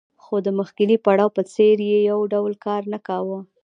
خو د مخکیني پړاو په څېر یې یو ډول کار نه کاوه